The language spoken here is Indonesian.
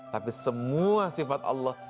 tapi semua sifat allah